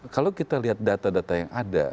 kalau kita lihat data data yang ada